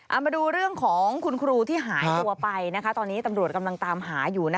เอามาดูเรื่องของคุณครูที่หายตัวไปตอนนี้ตำรวจกำลังตามหาอยู่